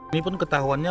ini pun ketahuannya